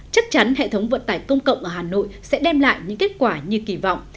chắc chắn hệ thống vận tải công cộng ở hà nội sẽ đem lại những kết quả như kỳ vọng